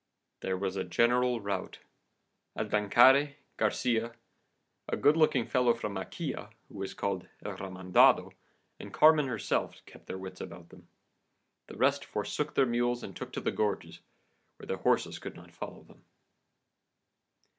There was a general rout. El Dancaire, Garcia, a good looking fellow from Ecija, who was called El Remendado, and Carmen herself, kept their wits about them. The rest forsook the mules and took to the gorges, where the horses could not follow them.